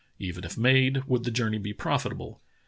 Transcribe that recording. Even if made, would the journey be profitable?